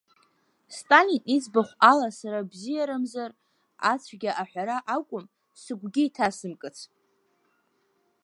Сталин иӡбахә ала сара бзиарамзар, ацәгьа аҳәара акәым, сыгәгьы иҭасымкыц!